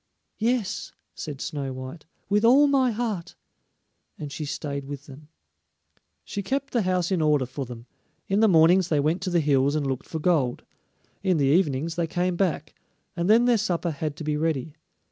"Yes," said Snow white, "with all my heart," and she stayed with them. She kept the house in order for them; in the mornings they went to the hills and looked for gold; in the evenings they came back, and then their supper had to be ready.